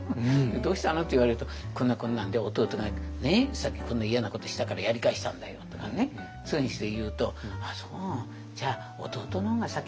「どうしたの？」って言われると「こんなこんなんで弟がねさっきこんな嫌なことをしたからやり返したんだよ」とかねそういうふうにして言うと「あっそうじゃあ弟の方が先に手を出したの。